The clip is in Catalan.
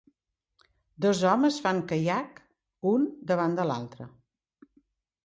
Dos homes fan caiac, un davant de l'altre.